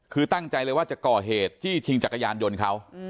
คือตั้งใจเลยว่าจะก่อเหตุจี้ชิงจักรยานยนต์เขา